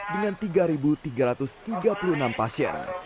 dengan tiga tiga ratus tiga puluh enam pasien